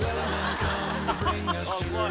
うまい。